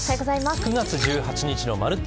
９月１８日の「まるっと！